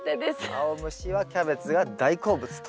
アオムシはキャベツが大好物と。